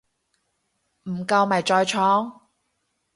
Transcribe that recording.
唔夠咪再創